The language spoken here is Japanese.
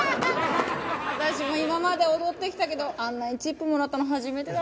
私も今まで踊ってきたけどあんなにチップもらったの初めてだったな。